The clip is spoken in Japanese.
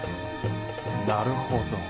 なるほど。